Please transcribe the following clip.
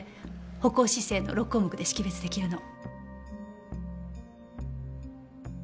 歩行姿勢の６項目で識別出来るの。